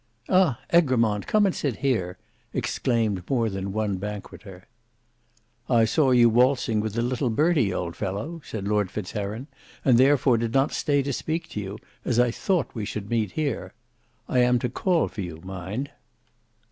"Ah, Egremont! come and sit here," exclaimed more than one banqueter. "I saw you waltzing with the little Bertie, old fellow," said Lord Fitzheron, "and therefore did not stay to speak to you, as I thought we should meet here. I am to call for you, mind."